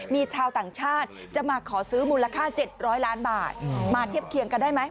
มีชาวต่างชาติจะมาขอซื้อมูลค่า๗๐๐ล้านบาทมาเทียบเคียงกันได้ไหม